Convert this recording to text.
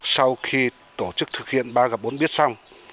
sau khi tổ chức thực hiện ba và bốn biết xong